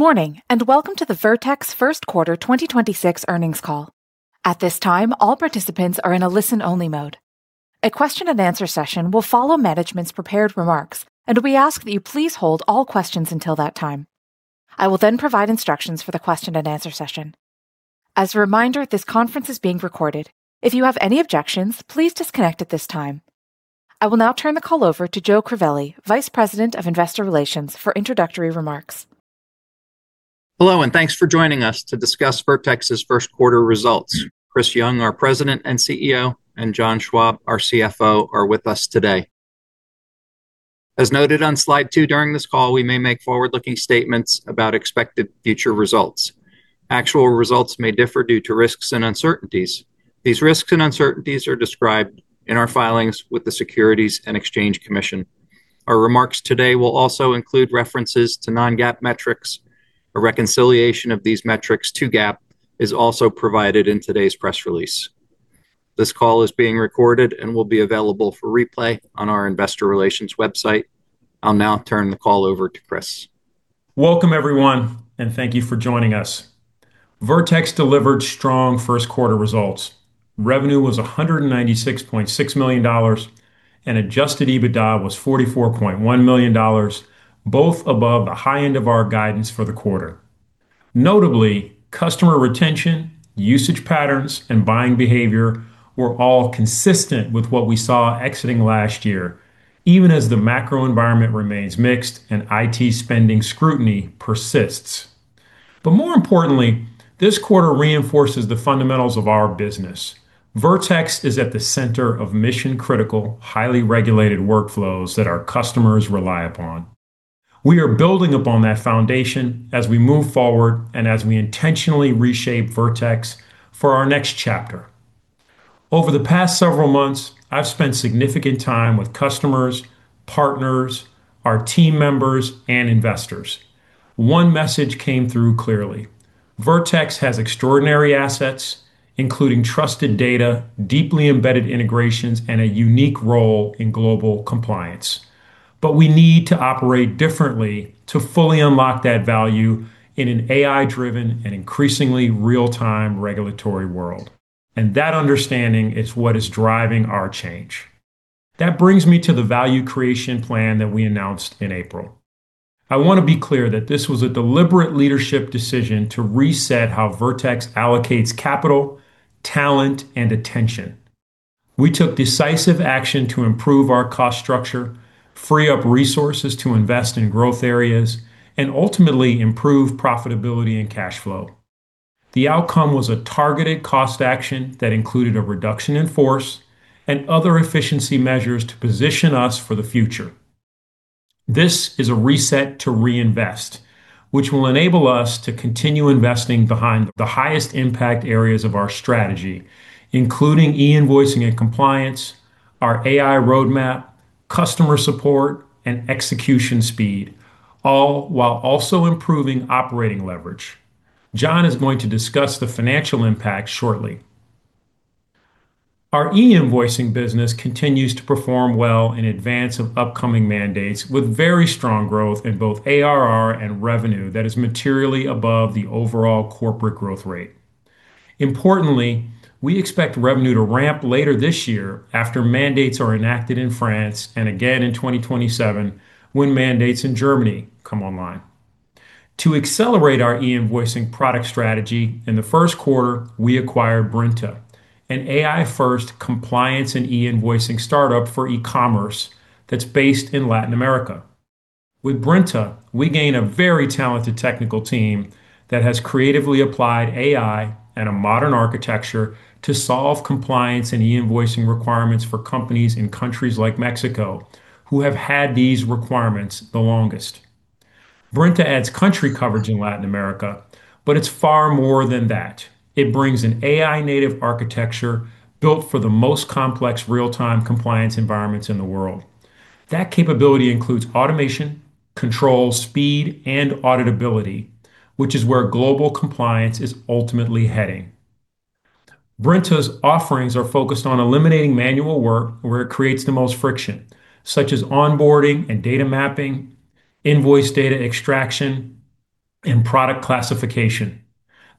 Good morning, and welcome to the Vertex First Quarter 2026 Earnings Call. At this time, all participants are in a listen-only mode. A question-and-answer session will follow management's prepared remarks, and we ask that you please hold all questions until that time. I will then provide instructions for the question-and-answer session. As a reminder, this conference is being recorded. If you have any objections, please disconnect at this time. I will now turn the call over to Joe Crivelli, Vice President of Investor Relations, for introductory remarks. Hello, and thanks for joining us to discuss Vertex's first quarter results. Chris Young, our President and CEO, and John Schwab, our CFO, are with us today. As noted on Slide two, during this call, we may make forward-looking statements about expected future results. Actual results may differ due to risks and uncertainties. These risks and uncertainties are described in our filings with the Securities and Exchange Commission. Our remarks today will also include references to non-GAAP metrics. A reconciliation of these metrics to GAAP is also provided in today's press release. This call is being recorded and will be available for replay on our investor relations website. I'll now turn the call over to Chris. Welcome, everyone, and thank you for joining us. Vertex delivered strong first quarter results. Revenue was $196.6 million, and adjusted EBITDA was $44.1 million, both above the high end of our guidance for the quarter. Notably, customer retention, usage patterns, and buying behavior were all consistent with what we saw exiting last year, even as the macro environment remains mixed and IT spending scrutiny persists. More importantly, this quarter reinforces the fundamentals of our business. Vertex is at the center of mission-critical, highly regulated workflows that our customers rely upon. We are building upon that foundation as we move forward and as we intentionally reshape Vertex for our next chapter. Over the past several months, I've spent significant time with customers, partners, our team members, and investors. One message came through clearly. Vertex has extraordinary assets, including trusted data, deeply embedded integrations, and a unique role in global compliance. We need to operate differently to fully unlock that value in an AI-driven and increasingly real-time regulatory world. That understanding is what is driving our change. That brings me to the value creation plan that we announced in April. I want to be clear that this was a deliberate leadership decision to reset how Vertex allocates capital, talent, and attention. We took decisive action to improve our cost structure, free up resources to invest in growth areas, and ultimately improve profitability and cash flow. The outcome was a targeted cost action that included a reduction in force and other efficiency measures to position us for the future. This is a reset to reinvest, which will enable us to continue investing behind the highest impact areas of our strategy, including e-invoicing and compliance, our AI roadmap, customer support, and execution speed, all while also improving operating leverage. John is going to discuss the financial impact shortly. Our e-invoicing business continues to perform well in advance of upcoming mandates with very strong growth in both ARR and revenue that is materially above the overall corporate growth rate. Importantly, we expect revenue to ramp later this year after mandates are enacted in France and again in 2027 when mandates in Germany come online. To accelerate our e-invoicing product strategy, in the first quarter, we acquired Brinta, an AI-first compliance and e-invoicing startup for e-commerce that's based in Latin America. With Brinta, we gain a very talented technical team that has creatively applied AI and a modern architecture to solve compliance and e-invoicing requirements for companies in countries like Mexico, who have had these requirements the longest. Brinta adds country coverage in Latin America, but it's far more than that. It brings an AI-native architecture built for the most complex real-time compliance environments in the world. That capability includes automation, control, speed, and auditability, which is where global compliance is ultimately heading. Brinta's offerings are focused on eliminating manual work where it creates the most friction, such as onboarding and data mapping, invoice data extraction, and product classification.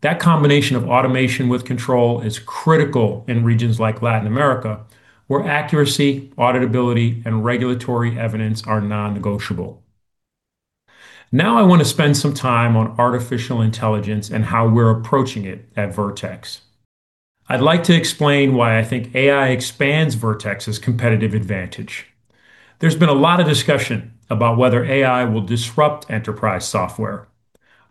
That combination of automation with control is critical in regions like Latin America, where accuracy, auditability, and regulatory evidence are non-negotiable. I want to spend some time on artificial intelligence and how we're approaching it at Vertex. I'd like to explain why I think AI expands Vertex's competitive advantage. There's been a lot of discussion about whether AI will disrupt enterprise software.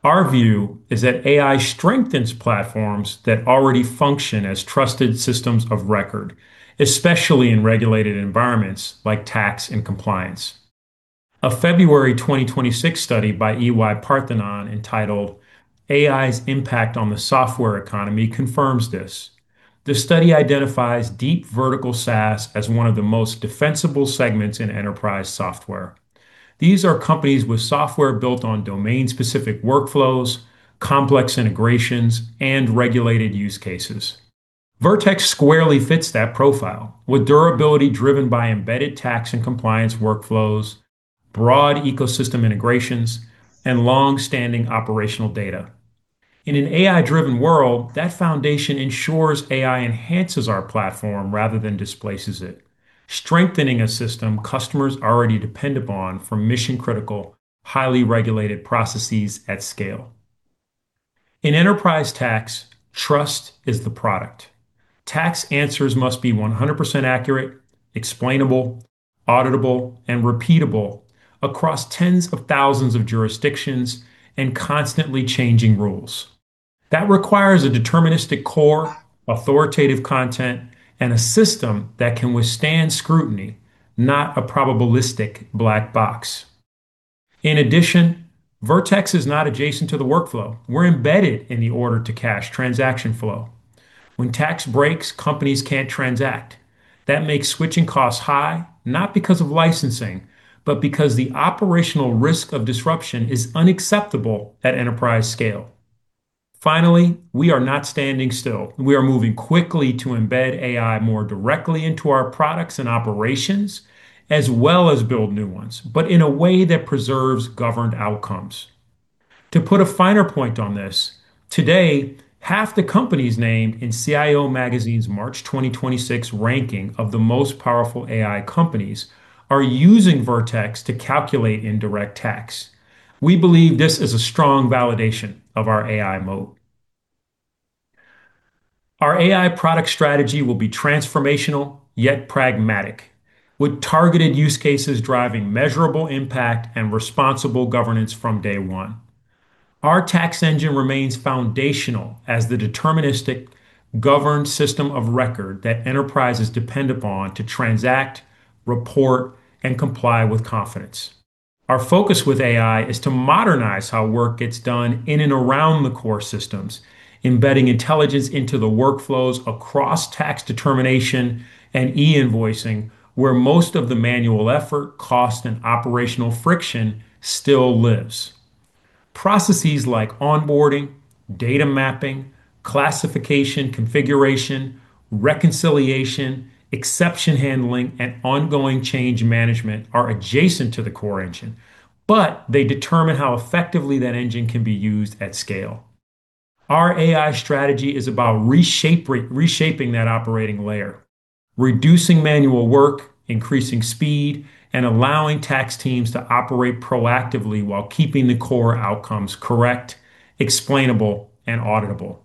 Our view is that AI strengthens platforms that already function as trusted systems of record, especially in regulated environments like tax and compliance. A February 2026 study by EY-Parthenon entitled AI's Impact on the Software Economy confirms this. The study identifies deep vertical SaaS as one of the most defensible segments in enterprise software. These are companies with software built on domain-specific workflows, complex integrations, and regulated use cases. Vertex squarely fits that profile with durability driven by embedded tax and compliance workflows, broad ecosystem integrations, and longstanding operational data. In an AI-driven world, that foundation ensures AI enhances our platform rather than displaces it, strengthening a system customers already depend upon for mission-critical, highly regulated processes at scale. In enterprise tax, trust is the product. Tax answers must be 100% accurate, explainable, auditable, and repeatable across tens of thousands of jurisdictions and constantly changing rules. That requires a deterministic core, authoritative content, and a system that can withstand scrutiny, not a probabilistic black box. Vertex is not adjacent to the workflow. We're embedded in the order-to-cash transaction flow. When tax breaks, companies can't transact. That makes switching costs high, not because of licensing, but because the operational risk of disruption is unacceptable at enterprise scale. We are not standing still. We are moving quickly to embed AI more directly into our products and operations, as well as build new ones, but in a way that preserves governed outcomes. To put a finer point on this, today, half the companies named in CIO Magazine's March 2026 ranking of the most powerful AI companies are using Vertex to calculate indirect tax. We believe this is a strong validation of our AI moat. Our AI product strategy will be transformational yet pragmatic, with targeted use cases driving measurable impact and responsible governance from day one. Our tax engine remains foundational as the deterministic governed system of record that enterprises depend upon to transact, report, and comply with confidence. Our focus with AI is to modernize how work gets done in and around the core systems, embedding intelligence into the workflows across tax determination and e-invoicing, where most of the manual effort, cost, and operational friction still lives. Processes like onboarding, data mapping, classification, configuration, reconciliation, exception handling, and ongoing change management are adjacent to the core engine, but they determine how effectively that engine can be used at scale. Our AI strategy is about reshaping that operating layer, reducing manual work, increasing speed, and allowing tax teams to operate proactively while keeping the core outcomes correct, explainable, and auditable.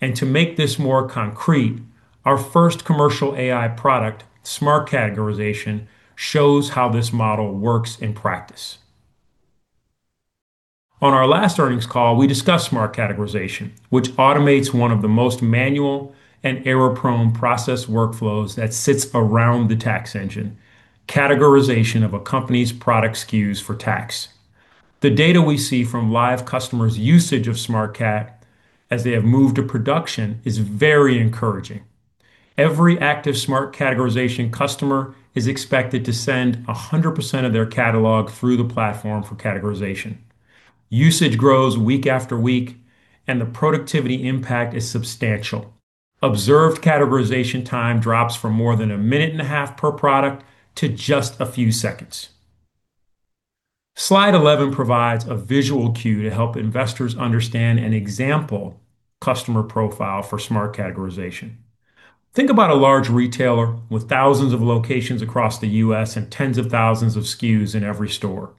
To make this more concrete, our first commercial AI product, Smart Categorization, shows how this model works in practice. On our last earnings call, we discussed Smart Categorization, which automates one of the most manual and error-prone process workflows that sits around the tax engine, categorization of a company's product SKUs for tax. The data we see from live customers' usage of Smart Cat as they have moved to production is very encouraging. Every active Smart Categorization customer is expected to send 100% of their catalog through the platform for categorization. Usage grows week after week, and the productivity impact is substantial. Observed categorization time drops from more than a minute and a half per product to just a few seconds. Slide 11 provides a visual cue to help investors understand an example customer profile for Smart Categorization. Think about a large retailer with thousands of locations across the U.S. and tens of thousands of SKUs in every store.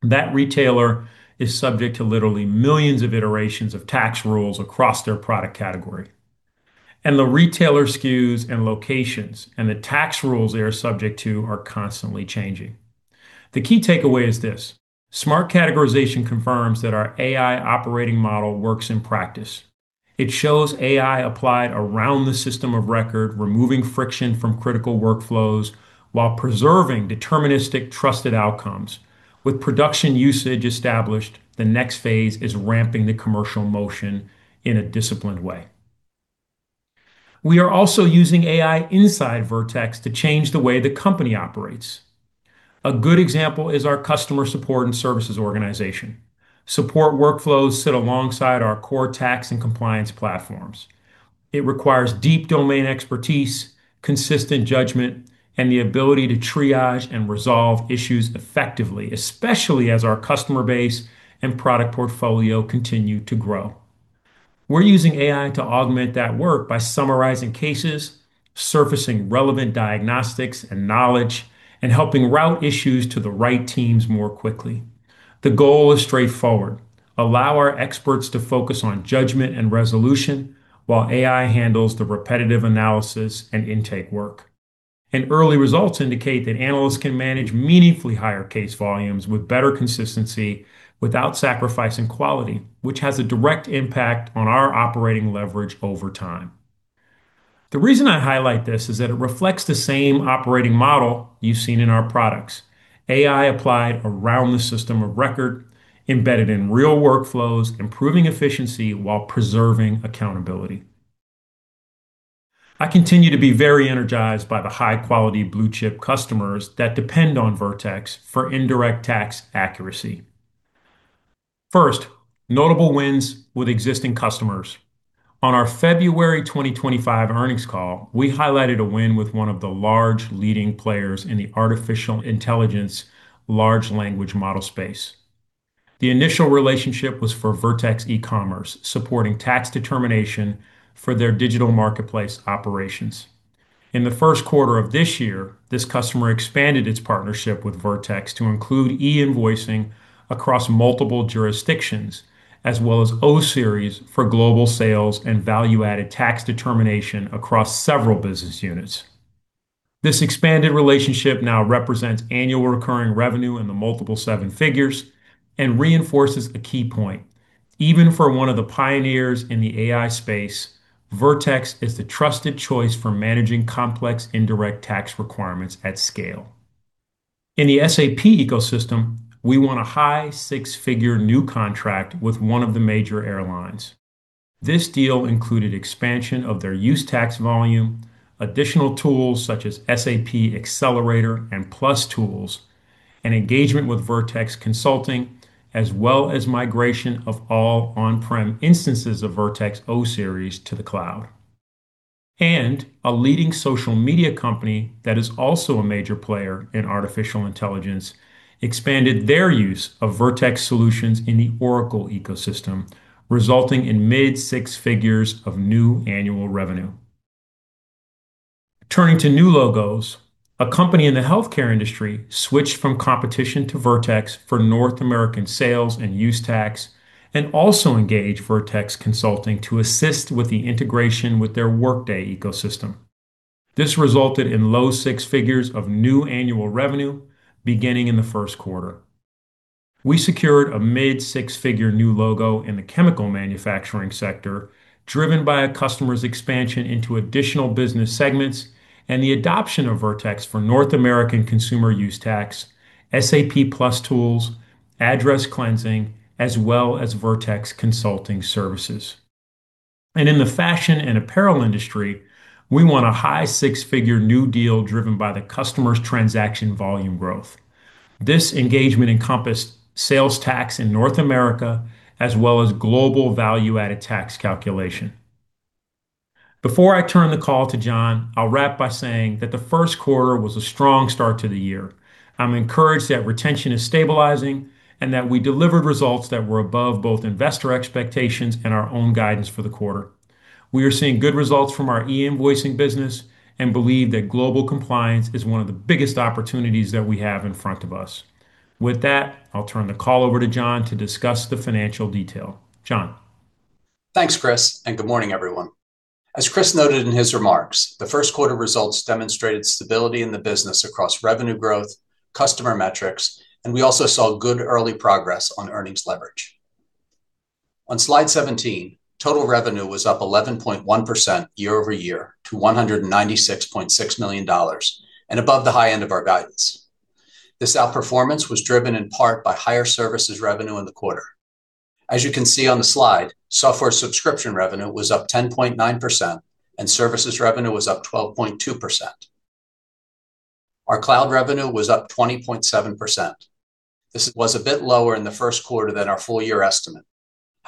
That retailer is subject to literally millions of iterations of tax rules across their product category. The retailer SKUs and locations and the tax rules they are subject to are constantly changing. The key takeaway is this: Smart Categorization confirms that our AI operating model works in practice. It shows AI applied around the system of record, removing friction from critical workflows while preserving deterministic, trusted outcomes. With production usage established, the next phase is ramping the commercial motion in a disciplined way. We are also using AI inside Vertex to change the way the company operates. A good example is our customer support and services organization. Support workflows sit alongside our core tax and compliance platforms. It requires deep domain expertise, consistent judgment, and the ability to triage and resolve issues effectively, especially as our customer base and product portfolio continue to grow. We're using AI to augment that work by summarizing cases, surfacing relevant diagnostics and knowledge, and helping route issues to the right teams more quickly. The goal is straightforward: allow our experts to focus on judgment and resolution while AI handles the repetitive analysis and intake work. Early results indicate that analysts can manage meaningfully higher case volumes with better consistency without sacrificing quality, which has a direct impact on our operating leverage over time. The reason I highlight this is that it reflects the same operating model you've seen in our products. AI applied around the system of record, embedded in real workflows, improving efficiency while preserving accountability. I continue to be very energized by the high-quality blue-chip customers that depend on Vertex for indirect tax accuracy. First, notable wins with existing customers. On our February 2025 earnings call, we highlighted a win with 1 of the large leading players in the artificial intelligence large language model space. The initial relationship was for Vertex for e-Commerce, supporting tax determination for their digital marketplace operations. In the 1st quarter of this year, this customer expanded its partnership with Vertex to include e-invoicing across multiple jurisdictions, as well as O Series for global sales and value-added tax determination across several business units. This expanded relationship now represents annual recurring revenue in the multiple $7 figures and reinforces a key point. Even for one of the pioneers in the AI space, Vertex is the trusted choice for managing complex indirect tax requirements at scale. In the SAP ecosystem, we won a high six-figure new contract with one of the major airlines. This deal included expansion of their use tax volume, additional tools such as SAP Accelerator and PLUS Tools, and engagement with Vertex Consulting, as well as migration of all on-prem instances of Vertex O Series to the cloud. A leading social media company that is also a major player in artificial intelligence expanded their use of Vertex solutions in the Oracle ecosystem, resulting in mid six figures of new annual revenue. Turning to new logos, a company in the healthcare industry switched from competition to Vertex for North American sales and use tax, and also engaged Vertex Consulting to assist with the integration with their Workday ecosystem. This resulted in low six figures of new annual revenue beginning in the first quarter. We secured a mid six figure new logo in the chemical manufacturing sector, driven by a customer's expansion into additional business segments and the adoption of Vertex for North American consumer use tax, SAP, PLUS Tools for SAP, address cleansing, as well as Vertex Consulting services. In the fashion and apparel industry, we won a high six figure new deal driven by the customer's transaction volume growth. This engagement encompassed sales tax in North America, as well as global value-added tax calculation. Before I turn the call to John, I'll wrap by saying that the first quarter was a strong start to the year. I'm encouraged that retention is stabilizing and that we delivered results that were above both investor expectations and our own guidance for the quarter. We are seeing good results from our e-invoicing business and believe that global compliance is one of the biggest opportunities that we have in front of us. With that, I'll turn the call over to John to discuss the financial detail. John. Thanks, Chris. Good morning, everyone. As Chris noted in his remarks, the first quarter results demonstrated stability in the business across revenue growth, customer metrics, and we also saw good early progress on earnings leverage. On Slide 17, total revenue was up 11.1% year-over-year to $196.6 million, above the high end of our guidance. This outperformance was driven in part by higher services revenue in the quarter. As you can see on the slide, software subscription revenue was up 10.9% and services revenue was up 12.2%. Our Cloud revenue was up 20.7%. This was a bit lower in the first quarter than our full-year estimate.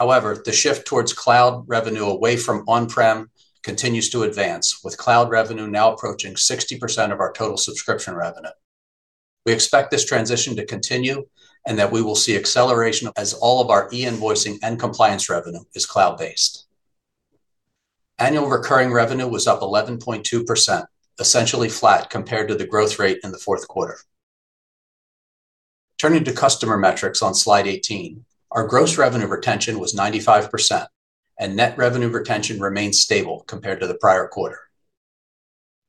However, the shift towards cloud revenue away from on-prem continues to advance, with cloud revenue now approaching 60% of our total subscription revenue. We expect this transition to continue and that we will see acceleration as all of our e-invoicing and compliance revenue is cloud-based. Annual recurring revenue was up 11.2%, essentially flat compared to the growth rate in the fourth quarter. Turning to customer metrics on Slide 18, our gross revenue retention was 95%, and net revenue retention remained stable compared to the prior quarter.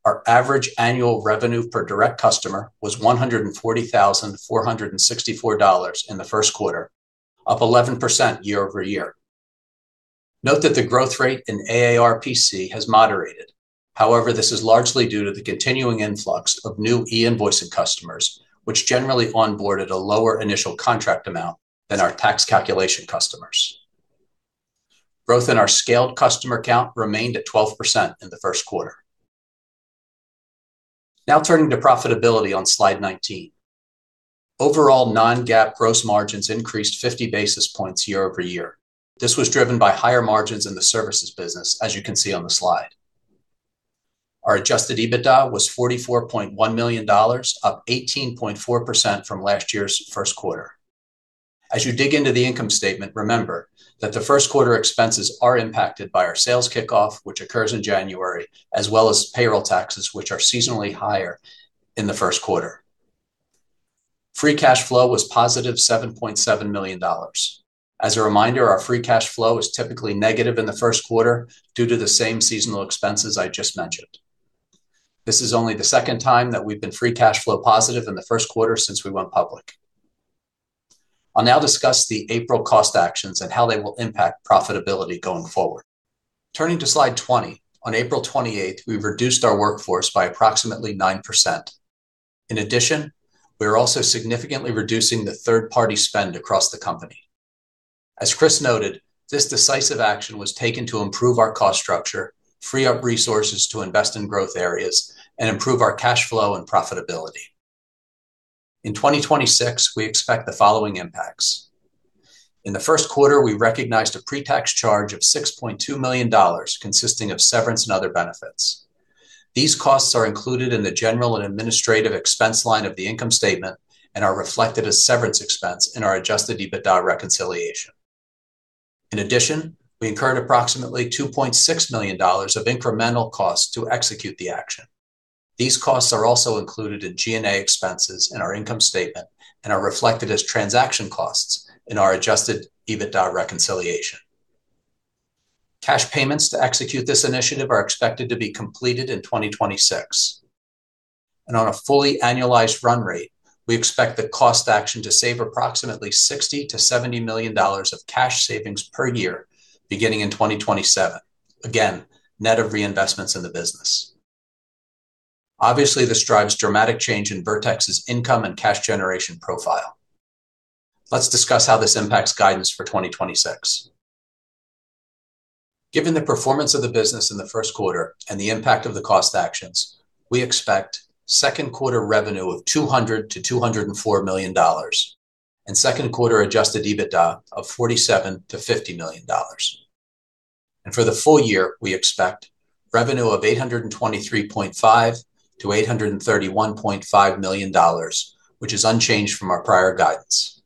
Our average annual revenue per direct customer was $140,464 in the first quarter, up 11% year-over-year. Note that the growth rate in AARPC has moderated. However, this is largely due to the continuing influx of new e-invoicing customers, which generally onboarded a lower initial contract amount than our tax calculation customers. Growth in our scaled customer count remained at 12% in the first quarter. Turning to profitability on Slide 19. Overall, non-GAAP gross margins increased 50 basis points year-over-year. This was driven by higher margins in the services business, as you can see on the slide. Our adjusted EBITDA was $44.1 million, up 18.4% from last year's first quarter. As you dig into the income statement, remember that the first quarter expenses are impacted by our sales kickoff, which occurs in January, as well as payroll taxes, which are seasonally higher in the first quarter. Free cash flow was positive $7.7 million. As a reminder, our free cash flow is typically negative in the first quarter due to the same seasonal expenses I just mentioned. This is only the second time that we've been free cash flow positive in the first quarter since we went public. I'll now discuss the April cost actions and how they will impact profitability going forward. Turning to Slide 20, on April 28th, we reduced our workforce by approximately 9%. In addition, we are also significantly reducing the third-party spend across the company. As Chris noted, this decisive action was taken to improve our cost structure, free up resources to invest in growth areas, and improve our cash flow and profitability. In 2026, we expect the following impacts. In the first quarter, we recognized a pre-tax charge of $6.2 million consisting of severance and other benefits. These costs are included in the general and administrative expense line of the income statement and are reflected as severance expense in our adjusted EBITDA reconciliation. We incurred approximately $2.6 million of incremental costs to execute the action. These costs are also included in G&A expenses in our income statement and are reflected as transaction costs in our adjusted EBITDA reconciliation. Cash payments to execute this initiative are expected to be completed in 2026. On a fully annualized run rate, we expect the cost action to save approximately $60 million-$70 million of cash savings per year beginning in 2027, again, net of reinvestments in the business. Obviously, this drives dramatic change in Vertex's income and cash generation profile. Let's discuss how this impacts guidance for 2026. Given the performance of the business in the first quarter and the impact of the cost actions, we expect second quarter revenue of $200 million-$204 million and second quarter adjusted EBITDA of $47 million-$50 million. For the full-year, we expect revenue of $823.5 million-$831.5 million, which is unchanged from our prior guidance.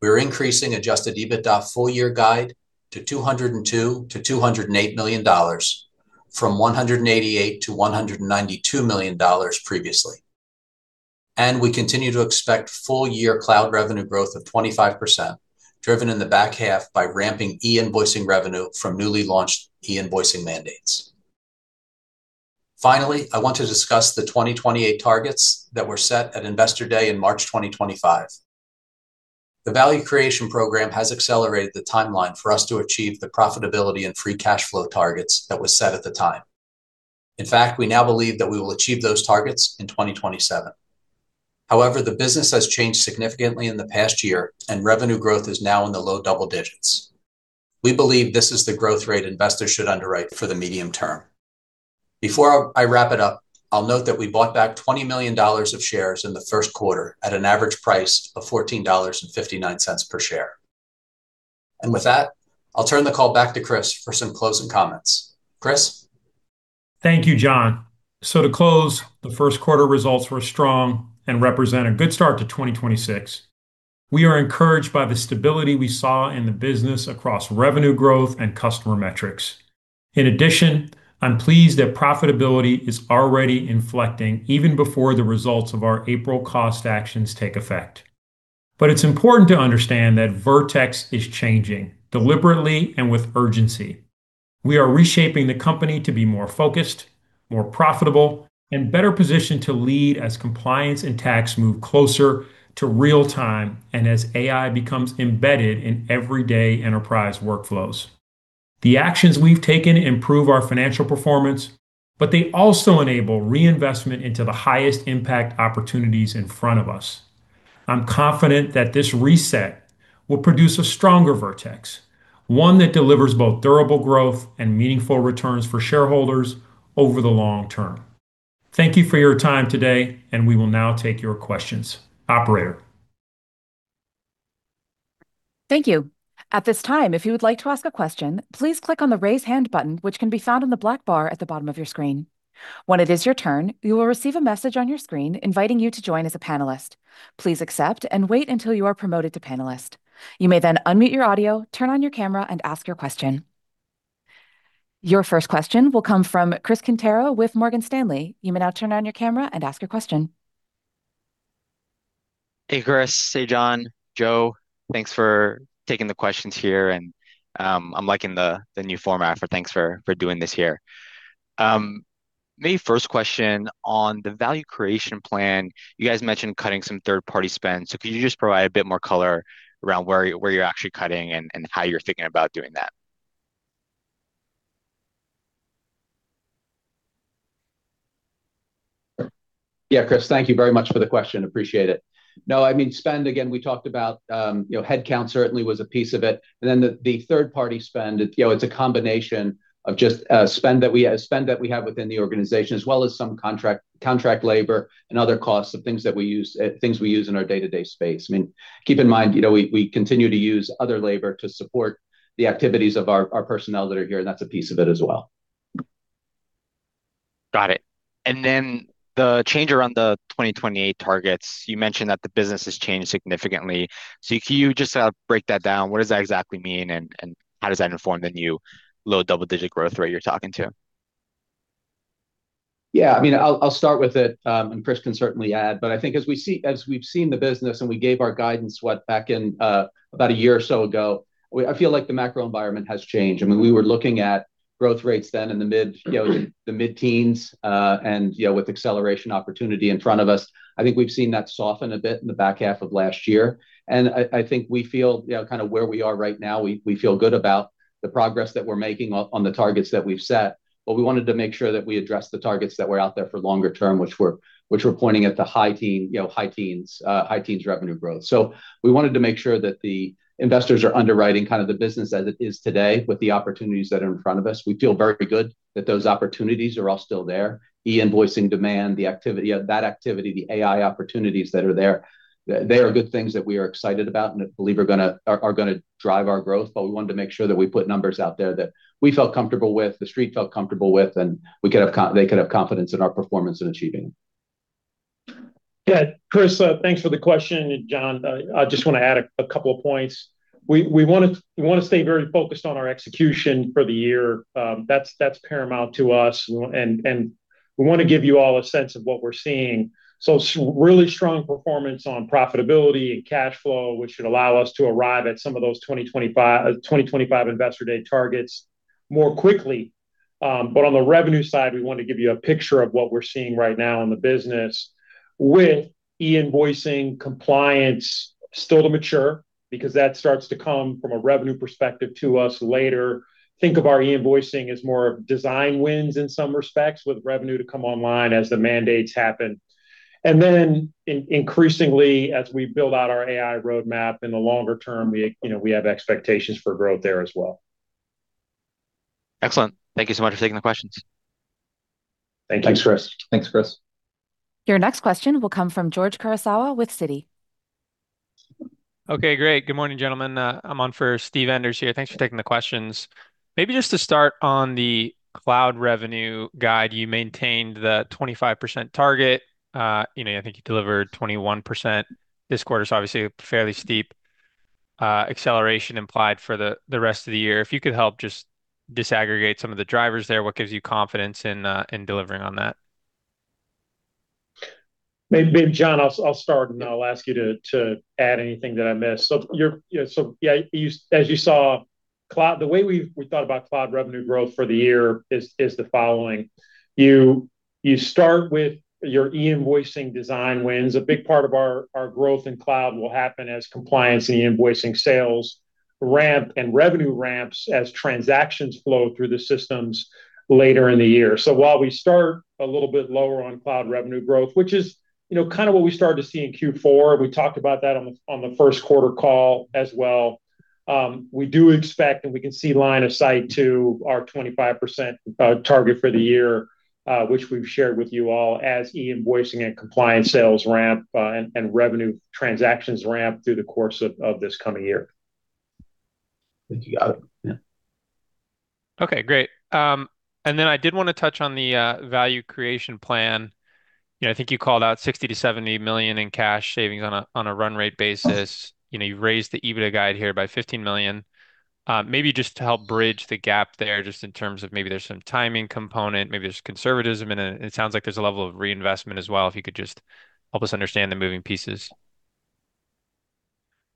We're increasing adjusted EBITDA full-year guide to $202 million-$208 million from $188 million-$192 million previously. We continue to expect full-year cloud revenue growth of 25%, driven in the back half by ramping e-invoicing revenue from newly launched e-invoicing mandates. Finally, I want to discuss the 2028 targets that were set at Investor Day in March 2025. The value creation program has accelerated the timeline for us to achieve the profitability and free cash flow targets that was set at the time. In fact, we now believe that we will achieve those targets in 2027. However, the business has changed significantly in the past year, and revenue growth is now in the low double-digits. We believe this is the growth rate investors should underwrite for the medium-term. Before I wrap it up, I'll note that we bought back $20 million of shares in the first quarter at an average price of $14.59 per share. With that, I'll turn the call back to Chris for some closing comments. Chris? Thank you, John. To close, the first quarter results were strong and represent a good start to 2026. We are encouraged by the stability we saw in the business across revenue growth and customer metrics. In addition, I'm pleased that profitability is already inflecting even before the results of our April cost actions take effect. It's important to understand that Vertex is changing deliberately and with urgency. We are reshaping the company to be more focused, more profitable, and better positioned to lead as compliance and tax move closer to real time and as AI becomes embedded in everyday enterprise workflows. The actions we've taken improve our financial performance, but they also enable reinvestment into the highest impact opportunities in front of us. I'm confident that this reset will produce a stronger Vertex, one that delivers both durable growth and meaningful returns for shareholders over the long-term. Thank you for your time today, and we will now take your questions. Operator? Thank you. At this time, if you would like to ask a question, please click on the Raise Hand button, which can be found on the black bar at the bottom of your screen. When it is your turn, you will receive a message on your screen inviting you to join as a panelist. Please accept and wait until you are promoted to panelist. You may then unmute your audio, turn on your camera, and ask your question. Your first question will come from Chris Quintero with Morgan Stanley. You may now turn on your camera and ask your question. Hey, Chris. Hey, John. Joe, thanks for taking the questions here. I'm liking the new format. Thanks for doing this here. Maybe first question. On the value creation plan, you guys mentioned cutting some third-party spend. Can you just provide a bit more color around where you're actually cutting and how you're thinking about doing that? Yeah, Chris, thank you very much for the question. Appreciate it. No, I mean, spend, again, we talked about, you know, headcount certainly was a piece of it, and then the third party spend, you know, it's a combination of just spend that we have within the organization as well as some contract labor and other costs of things that we use, things we use in our day-to-day space. I mean, keep in mind, you know, we continue to use other labor to support the activities of our personnel that are here, and that's a piece of it as well. Got it. The change around the 2028 targets, you mentioned that the business has changed significantly. Can you just break that down? What does that exactly mean, and how does that inform the new low double-digit growth rate you're talking to? Yeah, I'll start with it, and Chris can certainly add. I think as we've seen the business and we gave our guidance, what, back in about a year or so ago, I feel like the macro environment has changed. We were looking at growth rates then in the mid, you know, the mid-teens, and, you know, with acceleration opportunity in front of us. I think we've seen that soften a bit in the back half of last year. I think we feel, you know, kind of where we are right now, we feel good about the progress that we're making on the targets that we've set. We wanted to make sure that we address the targets that were out there for longer-term, which were pointing at the high teen, you know, high teens revenue growth. We wanted to make sure that the investors are underwriting kind of the business as it is today with the opportunities that are in front of us. We feel very good that those opportunities are all still there. E-invoicing demand, the activity, that activity, the AI opportunities that are there, they are good things that we are excited about and that believe are gonna drive our growth. We wanted to make sure that we put numbers out there that we felt comfortable with, the street felt comfortable with, and they could have confidence in our performance in achieving. Yeah. Chris, thanks for the question. John, I just wanna add a couple of points. We wanna stay very focused on our execution for the year. That's paramount to us. We wanna give you all a sense of what we're seeing. Really strong performance on profitability and cash flow, which should allow us to arrive at some of those 2025 Investor Day targets more quickly. On the revenue side, we want to give you a picture of what we're seeing right now in the business with e-invoicing compliance still to mature, because that starts to come from a revenue perspective to us later. Think of our e-invoicing as more of design wins in some respects with revenue to come online as the mandates happen. Increasingly as we build out our AI roadmap in the longer-term, we, you know, we have expectations for growth there as well. Excellent. Thank you so much for taking the questions. Thank you. Thanks, Chris. Thanks, Chris. Your next question will come from George Kurosawa with Citi. Okay, great. Good morning, gentlemen. I'm on for Steven Enders here. Thanks for taking the questions. Maybe just to start on the cloud revenue guide, you maintained the 25% target. You know, I think you delivered 21% this quarter, so obviously a fairly steep acceleration implied for the rest of the year. If you could help just disaggregate some of the drivers there, what gives you confidence in delivering on that? Maybe, John, I'll start, and I'll ask you to add anything that I miss. As you saw, the way we thought about cloud revenue growth for the year is the following. You start with your e-invoicing design wins. A big part of our growth in cloud will happen as compliance and e-invoicing sales ramp and revenue ramps as transactions flow through the systems later in the year. While we start a little bit lower on cloud revenue growth, which is, you know, kinda what we started to see in Q4, we talked about that on the first quarter call as well, we do expect, and we can see line of sight to our 25% target for the year, which we've shared with you all as e-invoicing and compliance sales ramp, and revenue transactions ramp through the course of this coming year. Thank you. I Yeah. Okay, great. I did wanna touch on the value creation plan. You know, I think you called out $60 million-$70 million in cash savings on a run rate basis. You know, you raised the EBITDA guide here by $15 million. Maybe just to help bridge the gap there, just in terms of maybe there's some timing component, maybe there's conservatism in it, and it sounds like there's a level of reinvestment as well, if you could just help us understand the moving pieces.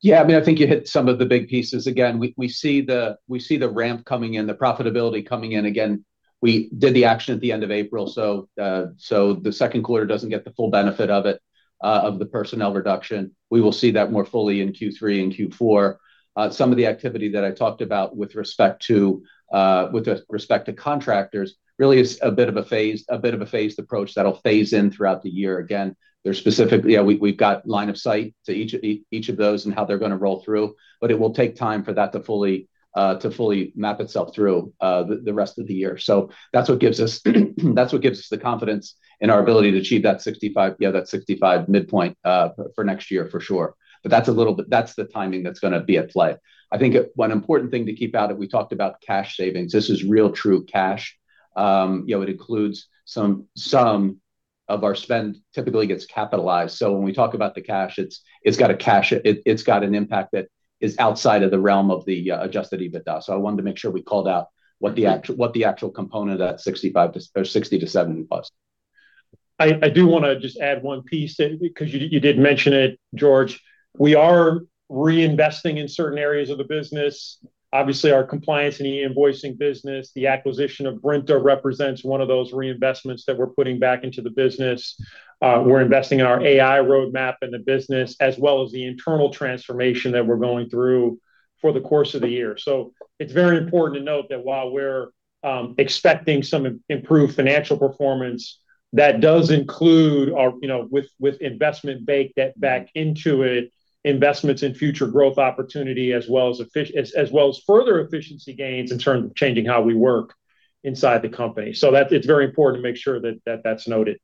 Yeah, I mean, I think you hit some of the big pieces. Again, we see the ramp coming in, the profitability coming in. Again, we did the action at the end of April, the second quarter doesn't get the full benefit of it, of the personnel reduction. We will see that more fully in Q3 and Q4. Some of the activity that I talked about with respect to contractors really is a bit of a phased approach that'll phase in throughout the year. Again, there's specific Yeah, we've got line of sight to each of those and how they're gonna roll through, it will take time for that to fully map itself through the rest of the year. That's what gives us the confidence in our ability to achieve that $65 million, that $65 million midpoint for next year for sure. That's the timing that's going to be at play. I think one important thing to keep out, and we talked about cash savings, this is real true cash. You know, it includes some of our spend typically gets capitalized, so when we talk about the cash, it's got an impact that is outside of the realm of the adjusted EBITDA. I wanted to make sure we called out what the actual component at $65 million to, or $60 million-$70 million was. I do wanna just add one piece that, because you did mention it, George. We are reinvesting in certain areas of the business. Obviously, our compliance and e-invoicing business. The acquisition of Brinta represents one of those reinvestments that we're putting back into the business. We're investing in our AI roadmap in the business, as well as the internal transformation that we're going through for the course of the year. It's very important to note that while we're expecting some improved financial performance, that does include our, you know, with investment bake that back into it, investments in future growth opportunity, as well as further efficiency gains in terms of changing how we work inside the company. That's, it's very important to make sure that's noted.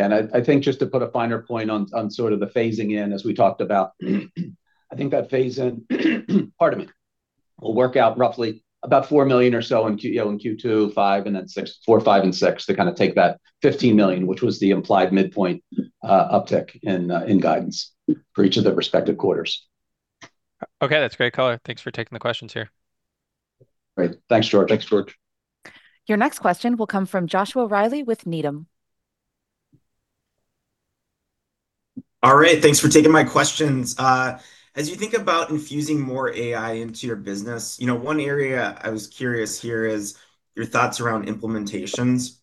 I think just to put a finer point on sort of the phasing in as we talked about, I think that phase in, pardon me, will work out roughly about $4 million or so in Q2, $5 million and then $6 million, $4 million, $5 million, and $6 million to kinda take that $15 million, which was the implied midpoint uptick in guidance for each of the respective quarters. Okay, that's great color. Thanks for taking the questions here. Great. Thanks, George. Thanks, George. Your next question will come from Joshua Reilly with Needham. All right, thanks for taking my questions. As you think about infusing more AI into your business, you know, one area I was curious here is your thoughts around implementations.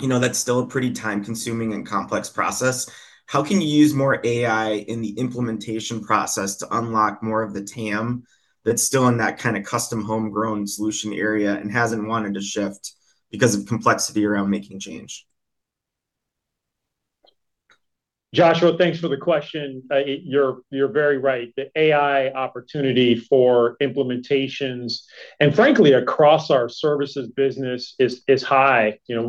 You know, that's still a pretty time-consuming and complex process. How can you use more AI in the implementation process to unlock more of the TAM that's still in that kinda custom homegrown solution area, hasn't wanted to shift because of complexity around making change? Joshua, thanks for the question. You're very right. The AI opportunity for implementations, and frankly across our services business is high. You know,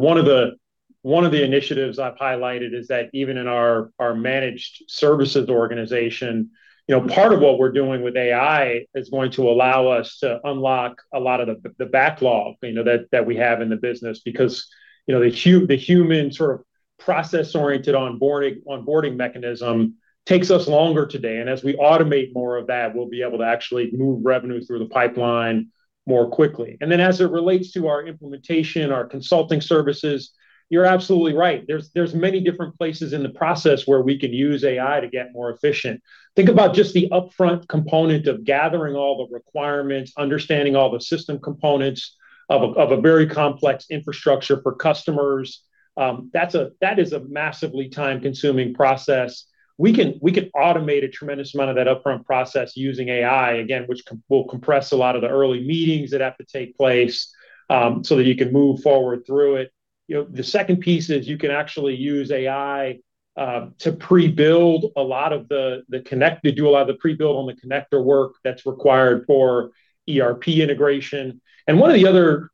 one of the initiatives I've highlighted is that even in our managed services organization, you know, part of what we're doing with AI is going to allow us to unlock a lot of the backlog, you know, that we have in the business. Because, you know, the human sort of process-oriented onboarding mechanism takes us longer today, and as we automate more of that, we'll be able to actually move revenue through the pipeline more quickly. As it relates to our implementation, our Consulting services, you're absolutely right. There's many different places in the process where we could use AI to get more efficient. Think about just the upfront component of gathering all the requirements, understanding all the system components of a very complex infrastructure for customers. That is a massively time-consuming process. We can automate a tremendous amount of that upfront process using AI, again, which will compress a lot of the early meetings that have to take place, so that you can move forward through it. You know, the second piece is you can actually use AI to do a lot of the pre-build on the connector work that's required for ERP integration. One of the other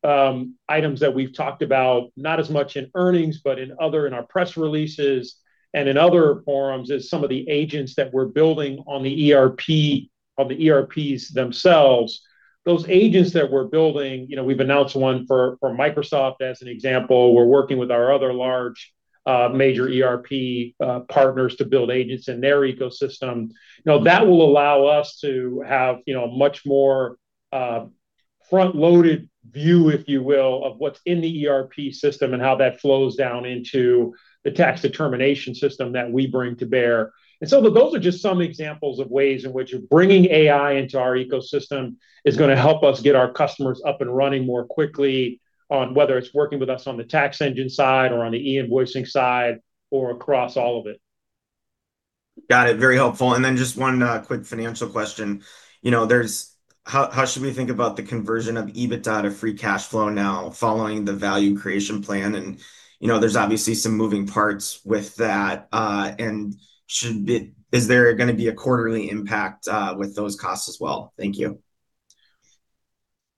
items that we've talked about, not as much in earnings, but in other, in our press releases and in other forums, is some of the agents that we're building on the ERPs themselves. Those agents that we're building, you know, we've announced one for Microsoft as an example. We're working with our other large, major ERP partners to build agents in their ecosystem. That will allow us to have, you know, a much more front-loaded view, if you will, of what's in the ERP system and how that flows down into the tax determination system that we bring to bear. Those are just some examples of ways in which bringing AI into our ecosystem is gonna help us get our customers up and running more quickly on whether it's working with us on the tax engine side or on the e-invoicing side, or across all of it. Got it. Very helpful. Just one quick financial question. You know, how should we think about the conversion of EBITDA to free cash flow now following the value creation plan and, you know, there's obviously some moving parts with that, and Is there gonna be a quarterly impact with those costs as well? Thank you.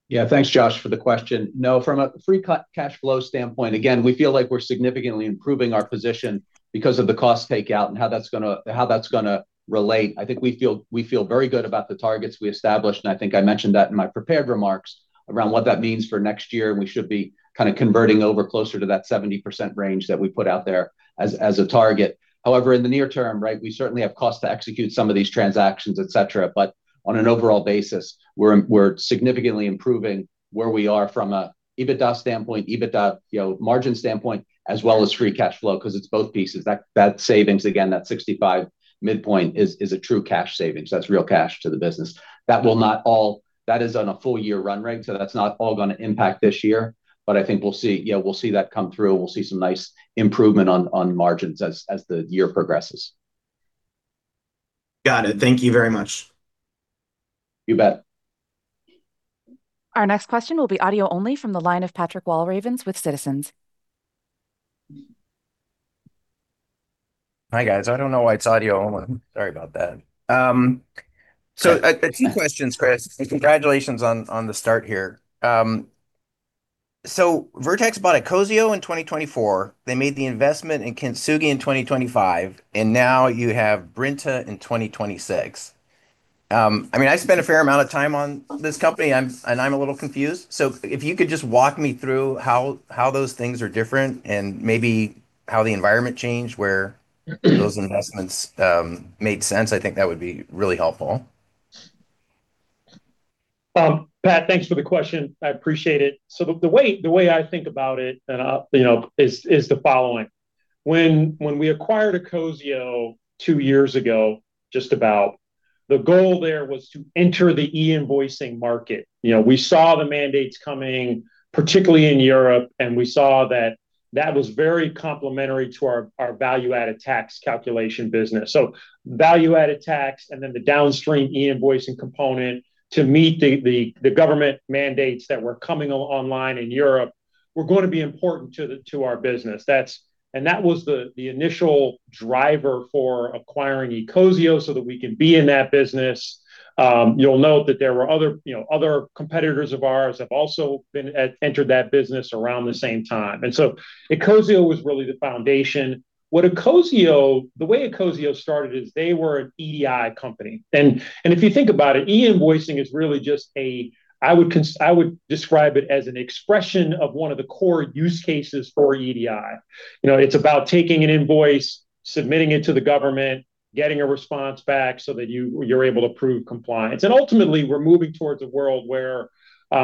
Yeah, thanks, Josh, for the question. No, from a free cash flow standpoint, again, we feel like we're significantly improving our position because of the cost takeout and how that's going to relate. I think we feel very good about the targets we established, and I think I mentioned that in my prepared remarks around what that means for next year, and we should be kinda converting over closer to that 70% range that we put out there as a target. However, in the near term, right, we certainly have costs to execute some of these transactions, et cetera. On an overall basis, we're significantly improving where we are from an EBITDA standpoint, EBITDA, you know, margin standpoint, as well as free cash flow, 'cause it's both pieces. That savings again, that 65% midpoint is a true cash savings. That's real cash to the business. That is on a full-year run rate, that's not all gonna impact this year. I think we'll see, yeah, we'll see that come through, and we'll see some nice improvement on margins as the year progresses. Got it. Thank you very much. You bet. Our next question will be audio only from the line of Patrick Walravens with Citizens. Hi, guys. I don't know why it's audio only. Sorry about that. Two questions, Chris. Yeah. Congratulations on the start here. Vertex bought ecosio in 2024. They made the investment in Kintsugi in 2025, and now you have Brinta in 2026. I mean, I spent a fair amount of time on this company. I'm a little confused. If you could just walk me through how those things are different, and maybe how the environment changed where those investments made sense, I think that would be really helpful. Pat, thanks for the question. I appreciate it. The way I think about it, and I'll you know, is the following. When we acquired ecosio two years ago, just about, the goal there was to enter the e-invoicing market. You know, we saw the mandates coming, particularly in Europe, and we saw that that was very complimentary to our value-added tax calculation business. Value-added tax, and then the downstream e-invoicing component to meet the government mandates that were coming online in Europe, were going to be important to our business. That was the initial driver for acquiring ecosio so that we can be in that business. You'll note that there were other, you know, other competitors of ours have also been entered that business around the same time. ecosio was really the foundation. The way ecosio started is they were an EDI company. If you think about it, e-invoicing is really just a I would describe it as an expression of one of the core use cases for EDI. You know, it's about taking an invoice, submitting it to the government, getting a response back so that you're able to prove compliance. Ultimately, we're moving towards a world where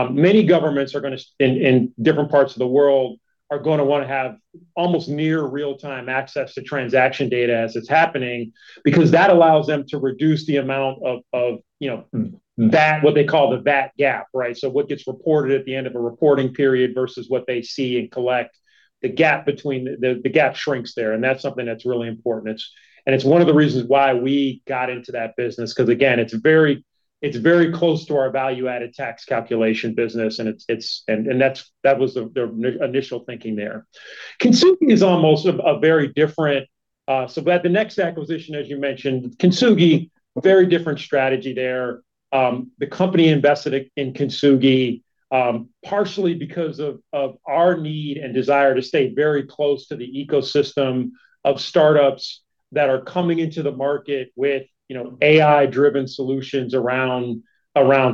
many governments are gonna in different parts of the world are gonna wanna have almost near real-time access to transaction data as it's happening. Because that allows them to reduce the amount of, you know, VAT, what they call the VAT gap, right? What gets reported at the end of a reporting period versus what they see and collect, the gap shrinks there, and that's something that's really important. It's one of the reasons why we got into that business, 'cause again, it's very close to our value-added tax calculation business, and that's, that was the initial thinking there. Kintsugi is almost a very different, the next acquisition, as you mentioned, Kintsugi, very different strategy there. The company invested in Kintsugi, partially because of our need and desire to stay very close to the ecosystem of startups that are coming into the market with, you know, AI-driven solutions around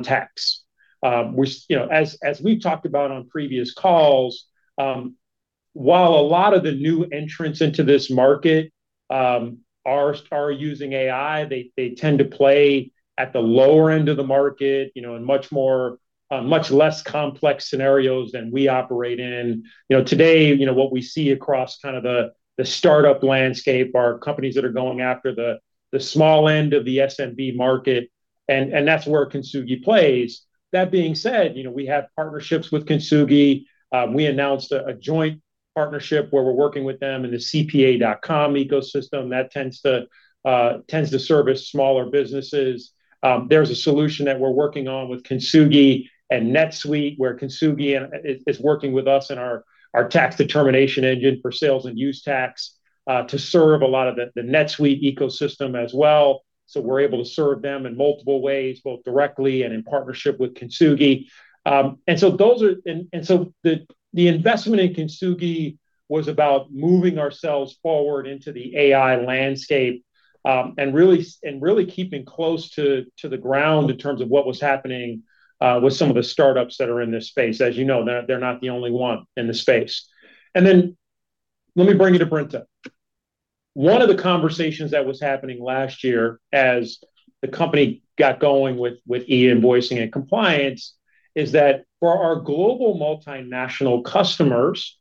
tax. You know, as we've talked about on previous calls, while a lot of the new entrants into this market, are using AI, they tend to play at the lower end of the market, you know, in much more, much less complex scenarios than we operate in. You know, today, you know, what we see across kind of the startup landscape are companies that are going after the small end of the SMB market and that's where Kintsugi plays. That being said, you know, we have partnerships with Kintsugi. We announced a joint partnership where we're working with them in the CPA.com ecosystem. That tends to service smaller businesses. There's a solution that we're working on with Kintsugi and NetSuite, where Kintsugi is working with us in our tax determination engine for sales and use tax to serve a lot of the NetSuite ecosystem as well. We're able to serve them in multiple ways, both directly and in partnership with Kintsugi. The investment in Kintsugi was about moving ourselves forward into the AI landscape, and really keeping close to the ground in terms of what was happening with some of the startups that are in this space. As you know, they're not the only one in the space. Let me bring you to Brinta. One of the conversations that was happening last year as the company got going with e-invoicing and compliance, is that for our global multinational customers,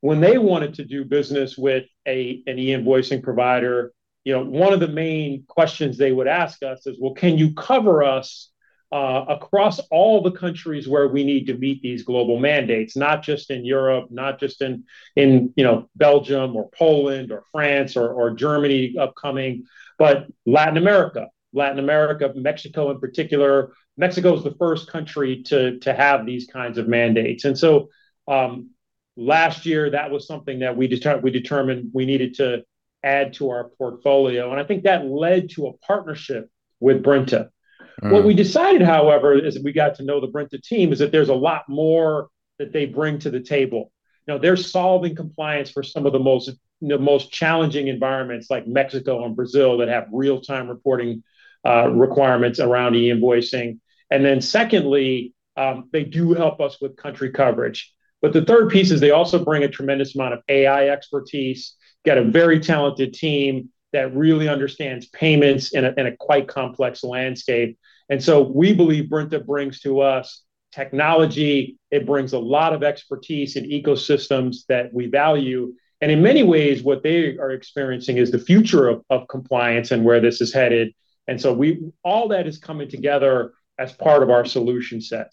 when they wanted to do business with an e-invoicing provider, you know, one of the main questions they would ask us is, Well, can you cover us across all the countries where we need to meet these global mandates? Not just in Europe, not just in, you know, Belgium or Poland or France or Germany upcoming, but Latin America, Mexico in particular. Mexico is the first country to have these kinds of mandates. Last year that was something that we determined we needed to add to our portfolio, and I think that led to a partnership with Brinta. What we decided, however, as we got to know the Brinta team, is that there's a lot more that they bring to the table. Now, they're solving compliance for some of the most, you know, most challenging environments like Mexico and Brazil that have real-time reporting requirements around e-invoicing. Secondly, they do help us with country coverage. The third piece is they also bring a tremendous amount of AI expertise, got a very talented team that really understands payments in a quite complex landscape. We believe Brinta brings to us technology, it brings a lot of expertise in ecosystems that we value, and in many ways, what they are experiencing is the future of compliance and where this is headed. All that is coming together as part of our solution set.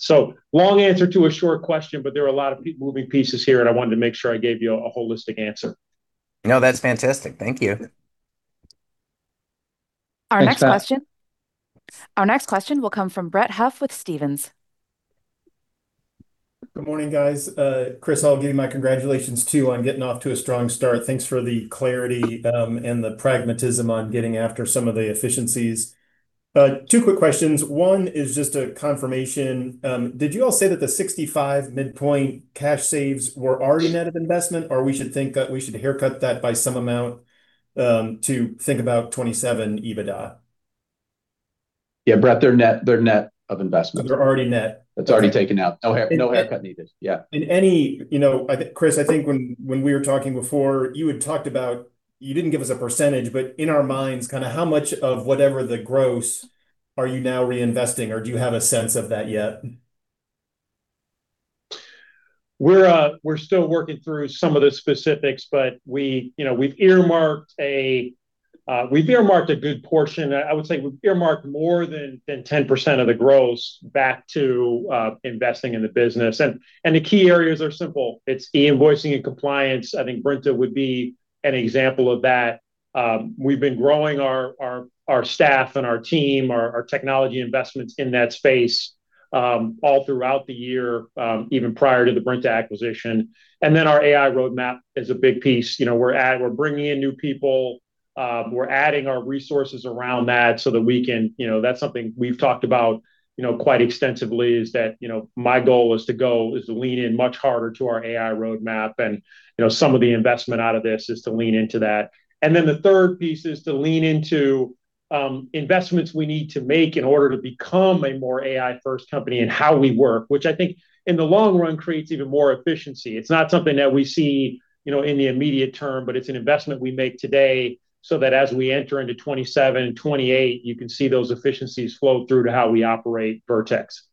Long answer to a short question, but there are a lot of moving pieces here, and I wanted to make sure I gave you a holistic answer. No, that's fantastic. Thank you. Thanks, Scott. Our next question will come from Brett Huff with Stephens. Good morning, guys. Chris, I'll give you my congratulations too on getting off to a strong start. Thanks for the clarity, and the pragmatism on getting after some of the efficiencies. Two quick questions. One is just a confirmation. Did you all say that the $65 million midpoint cash saves were already net of investment, or we should think, we should haircut that by some amount, to think about 2027 EBITDA? Yeah, Brett, they're net of investment. They're already net. It's already taken out. No haircut needed. Yeah. In any, you know, Chris, I think when we were talking before, you had talked about. You didn't give us a percentage. In our minds, kind of how much of whatever the gross are you now reinvesting, or do you have a sense of that yet? We're still working through some of the specifics, but we, you know, we've earmarked a good portion. I would say we've earmarked more than 10% of the gross back to investing in the business. The key areas are simple. It's e-invoicing and compliance. I think Brinta would be an example of that. We've been growing our staff and our team, our technology investments in that space, all throughout the year, even prior to the Brinta acquisition. Our AI roadmap is a big piece. You know, we're bringing in new people, we're adding our resources around that so that we can, you know, that's something we've talked about, you know, quite extensively is that, you know, my goal is to lean in much harder to our AI roadmap and, you know, some of the investment out of this is to lean into that. The third piece is to lean into investments we need to make in order to become a more AI first company in how we work, which I think in the long run creates even more efficiency. It's not something that we see, you know, in the immediate term, but it's an investment we make today so that as we enter into 2027 and 2028, you can see those efficiencies flow through to how we operate Vertex.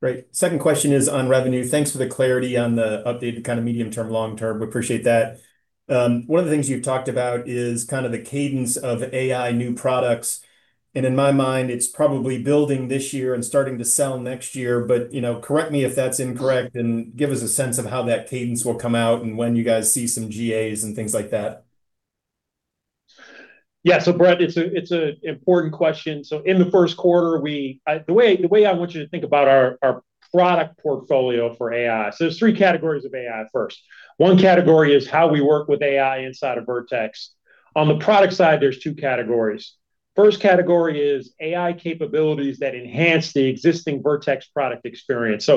Great. Second question is on revenue. Thanks for the clarity on the updated kind of medium-term, long-term. We appreciate that. One of the things you've talked about is kind of the cadence of AI new products, and in my mind, it's probably building this year and starting to sell next year. You know, correct me if that's incorrect, and give us a sense of how that cadence will come out and when you guys see some GAs and things like that. Brett, it's a important question. In the first quarter, the way I want you to think about our product portfolio for AI. There's three categories of AI first. One category is how we work with AI inside of Vertex. On the product side, there's two categories. First category is AI capabilities that enhance the existing Vertex product experience.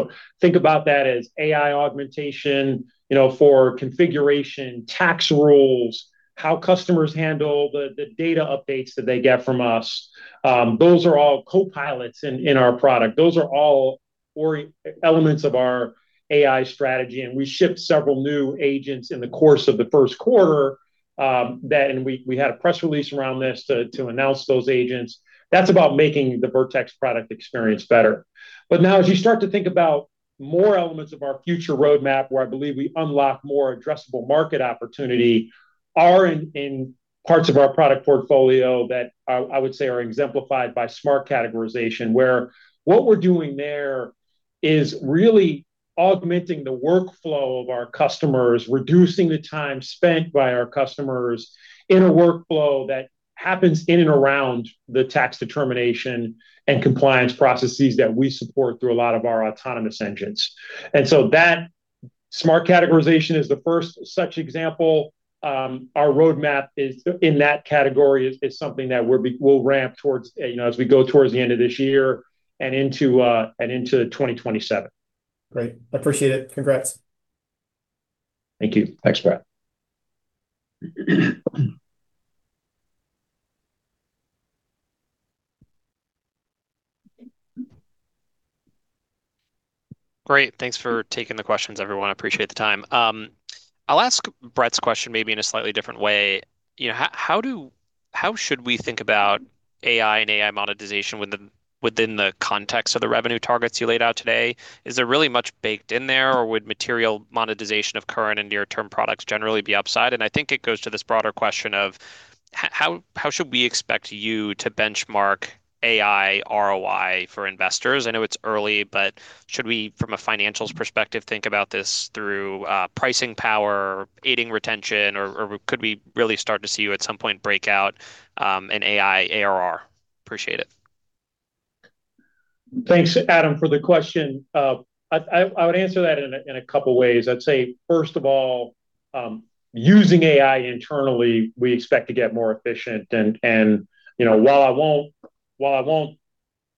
Think about that as AI augmentation, you know, for configuration, tax rules, how customers handle the data updates that they get from us. Those are all copilots in our product. Those are all elements of our AI strategy, and we shipped several new agents in the course of the first quarter, and we had a press release around this to announce those agents. That's about making the Vertex product experience better. Now as you start to think about more elements of our future roadmap, where I believe we unlock more addressable market opportunity, are in parts of our product portfolio that I would say are exemplified by Smart Categorization, where what we're doing there is really augmenting the workflow of our customers, reducing the time spent by our customers in a workflow that happens in and around the tax determination and compliance processes that we support through a lot of our autonomous engines. That Smart Categorization is the first such example. Our roadmap is in that category is something that we'll ramp towards, you know, as we go towards the end of this year and into 2027. Great. Appreciate it. Congrats. Thank you. Thanks, Brett. Great. Thanks for taking the questions, everyone. I appreciate the time. I'll ask Brett's question maybe in a slightly different way. You know, how should we think about AI and AI monetization within the context of the revenue targets you laid out today? Is there really much baked in there, or would material monetization of current and near-term products generally be upside? I think it goes to this broader question of how should we expect you to benchmark AI ROI for investors? I know it's early, but should we, from a financials perspective, think about this through pricing power, aiding retention, or could we really start to see you at some point break out in AI ARR? Appreciate it. Thanks, Adam, for the question. I would answer that in a couple of ways. I'd say, first of all, using AI internally, we expect to get more efficient. You know, while I won't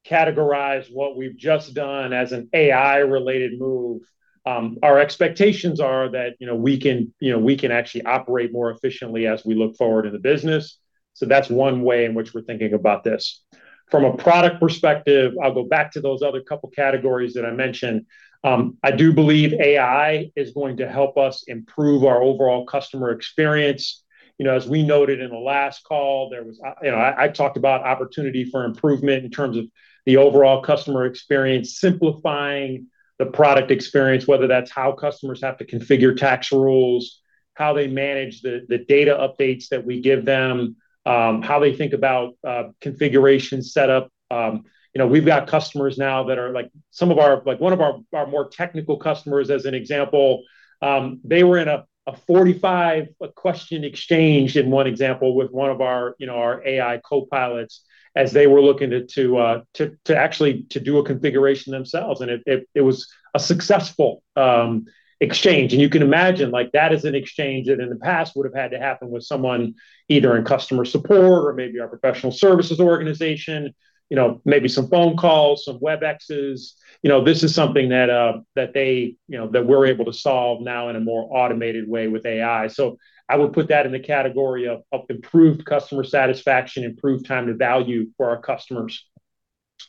categorize what we've just done as an AI-related move, our expectations are that, you know, we can actually operate more efficiently as we look forward in the business. That's one way in which we're thinking about this. From a product perspective, I'll go back to those other couple categories that I mentioned. I do believe AI is going to help us improve our overall customer experience. You know, as we noted in the last call, you know, I talked about opportunity for improvement in terms of the overall customer experience, simplifying the product experience, whether that's how customers have to configure tax rules, how they manage the data updates that we give them, how they think about configuration setup. You know, we've got customers now that are like one of our more technical customers as an example, they were in a 45-question exchange in one example with one of our, you know, our AI copilots as they were looking to actually do a configuration themselves. It was a successful exchange. You can imagine, like that is an exchange that in the past would have had to happen with someone either in customer support or maybe our professional services organization, you know, maybe some phone calls, some Webexes. You know, this is something that they, you know, that we're able to solve now in a more automated way with AI. I would put that in the category of improved customer satisfaction, improved time to value for our customers.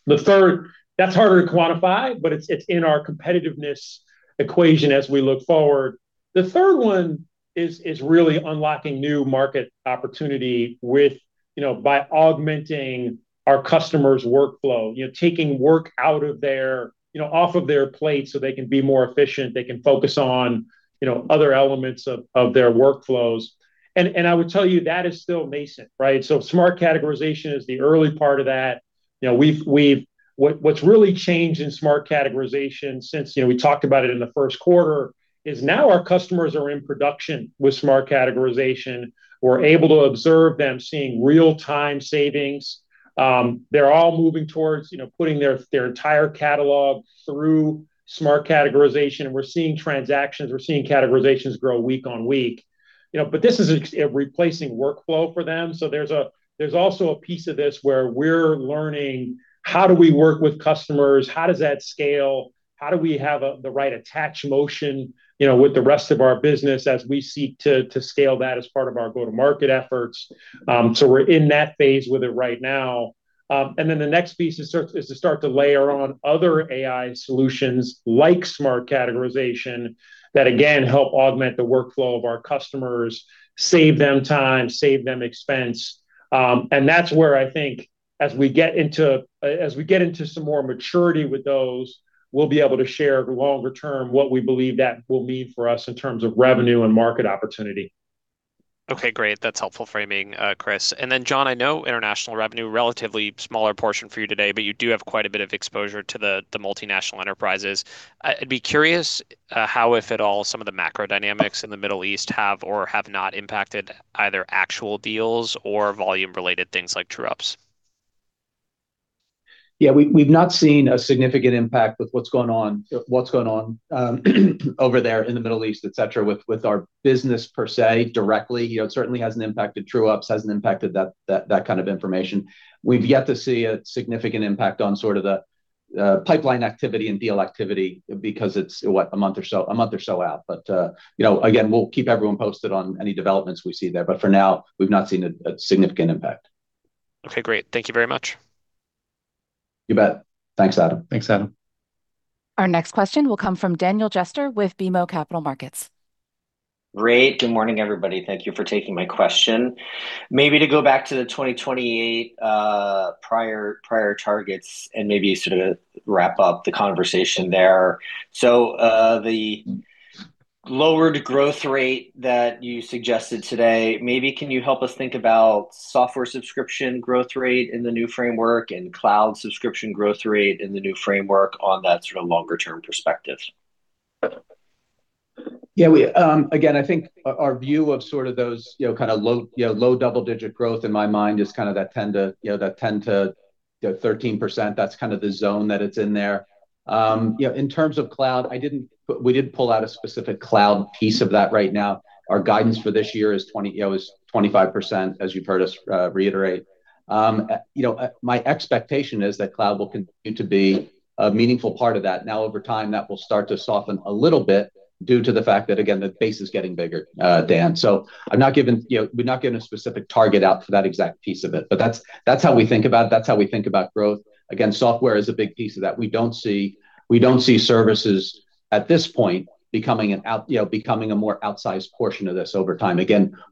That's harder to quantify, but it's in our competitiveness equation as we look forward. The third one is really unlocking new market opportunity with, you know, by augmenting our customers' workflow. You know, taking work out of their, you know, off of their plate so they can be more efficient. They can focus on, you know, other elements of their workflows. I would tell you that is still nascent, right? Smart Categorization is the early part of that. You know, what's really changed in Smart Categorization since, you know, we talked about it in the first quarter is now our customers are in production with Smart Categorization. We're able to observe them seeing real-time savings. They're all moving towards, you know, putting their entire catalog through Smart Categorization. We're seeing transactions, we're seeing categorizations grow week on week. You know, this is replacing workflow for them. There's also a piece of this where we're learning, how do we work with customers? How does that scale? How do we have the right attach motion, you know, with the rest of our business as we seek to scale that as part of our go-to-market efforts? We're in that phase with it right now. Then the next piece is to start to layer on other AI solutions like Smart Categorization that again help augment the workflow of our customers, save them time, save them expense. That's where I think as we get into, as we get into some more maturity with those, we'll be able to share longer-term what we believe that will mean for us in terms of revenue and market opportunity. Okay, great. That's helpful framing, Chris. And then John, I know international revenue, relatively smaller portion for you today, but you do have quite a bit of exposure to the multinational enterprises. I'd be curious how, if at all, some of the macro dynamics in the Middle East have or have not impacted either actual deals or volume-related things like true ups. Yeah, we've not seen a significant impact with what's going on over there in the Middle East, et cetera, with our business per se directly. You know, it certainly hasn't impacted true ups, hasn't impacted that kind of information. We've yet to see a significant impact on sort of the pipeline activity and deal activity because it's, what? A month or so out. You know, again, we'll keep everyone posted on any developments we see there. For now, we've not seen a significant impact. Okay, great. Thank you very much. You bet. Thanks, Adam. Thanks, Adam. Our next question will come from Daniel Jester with BMO Capital Markets. Great. Good morning, everybody. Thank you for taking my question. Maybe to go back to the 2028 prior targets and maybe sort of wrap up the conversation there. The lowered growth rate that you suggested today, maybe can you help us think about software subscription growth rate in the new framework and cloud subscription growth rate in the new framework on that sort of longer term perspective? Yeah, we, again, I think our view of sort of those, you know, kinda low, you know, low double-digit growth in my mind is kinda that 10%-13%. That's kind of the zone that it's in there. You know, in terms of cloud, we didn't pull out a specific cloud piece of that right now. Our guidance for this year is 25%, as you've heard us reiterate. You know, my expectation is that cloud will continue to be a meaningful part of that. Over time, that will start to soften a little bit due to the fact that, again, the base is getting bigger, Dan. I'm not giving, you know, we're not giving a specific target out for that exact piece of it, but that's how we think about it. That's how we think about growth. Software is a big piece of that. We don't see services at this point becoming an out, you know, becoming a more outsized portion of this over time.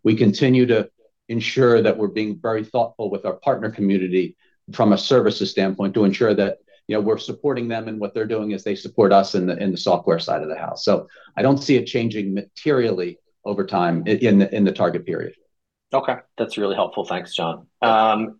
We continue to ensure that we're being very thoughtful with our partner community from a services standpoint to ensure that, you know, we're supporting them in what they're doing as they support us in the software side of the house. I don't see it changing materially over time in the target period. Okay. That's really helpful. Thanks, John. You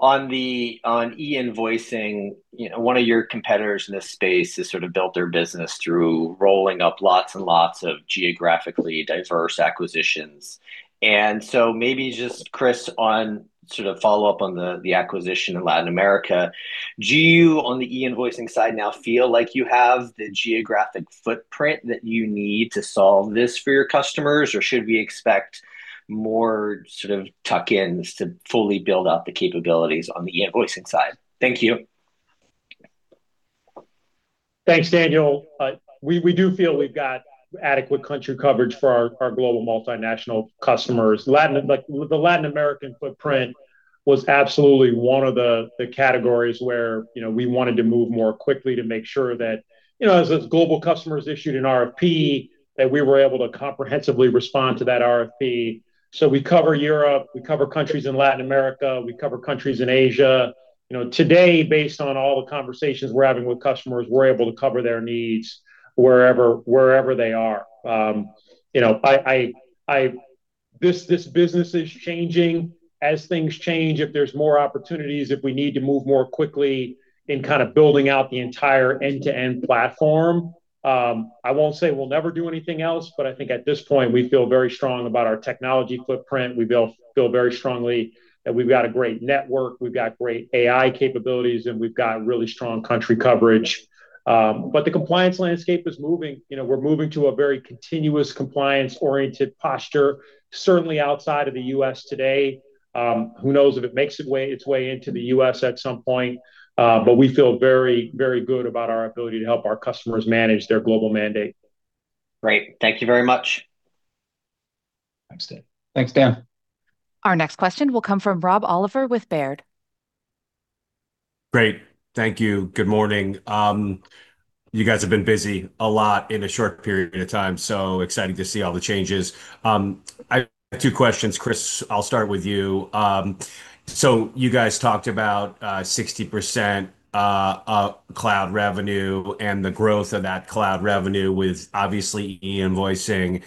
bet. On the e-invoicing, you know, one of your competitors in this space has sort of built their business through rolling up lots and lots of geographically diverse acquisitions. Maybe just, Chris, on sort of follow up on the acquisition in Latin America, do you, on the e-invoicing side now feel like you have the geographic footprint that you need to solve this for your customers, or should we expect more sort of tuck-ins to fully build out the capabilities on the e-invoicing side? Thank you. Thanks, Daniel. We do feel we've got adequate country coverage for our global multinational customers. Like the Latin American footprint was absolutely one of the categories where, you know, we wanted to move more quickly to make sure that, you know, as its global customers issued an RFP, that we were able to comprehensively respond to that RFP. We cover Europe, we cover countries in Latin America, we cover countries in Asia. You know, today, based on all the conversations we're having with customers, we're able to cover their needs wherever they are. You know, this business is changing. As things change, if there's more opportunities, if we need to move more quickly in kinda building out the entire end-to-end platform, I won't say we'll never do anything else, but I think at this point, we feel very strong about our technology footprint. We feel very strongly that we've got a great network, we've got great AI capabilities, and we've got really strong country coverage. The compliance landscape is moving. You know, we're moving to a very continuous compliance-oriented posture, certainly outside of the U.S. today. Who knows if it makes its way into the U.S. at some point. We feel very, very good about our ability to help our customers manage their global mandate. Great. Thank you very much. Thanks, Dan. Thanks, Dan. Our next question will come from Rob Oliver with Baird. Great. Thank you. Good morning. You guys have been busy a lot in a short period of time, so exciting to see all the changes. I have two questions. Chris, I'll start with you. You guys talked about 60% cloud revenue and the growth of that cloud revenue with obviously e-invoicing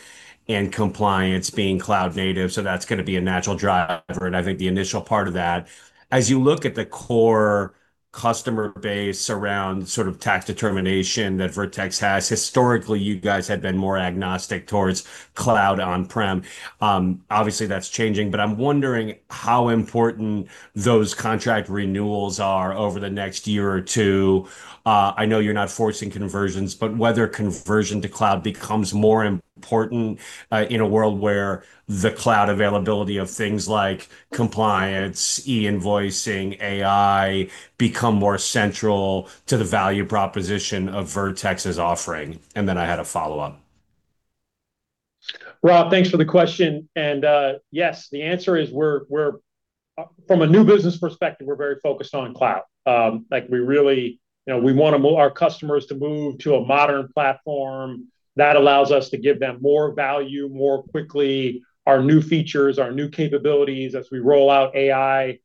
and compliance being cloud native, so that's gonna be a natural driver, and I think the initial part of that. As you look at the core customer base around sort of tax determination that Vertex has, historically, you guys had been more agnostic towards cloud on-prem. Obviously, that's changing, but I'm wondering how important those contract renewals are over the next year or two. I know you're not forcing conversions, but whether conversion to cloud becomes more important in a world where the cloud availability of things like compliance, e-invoicing, AI, become more central to the value proposition of Vertex's offering. I had a follow-up. Rob, thanks for the question. Yes, the answer is we're from a new business perspective, we're very focused on cloud. Like we really, you know, we want our customers to move to a modern platform that allows us to give them more value more quickly. Our new features, our new capabilities as we roll out AI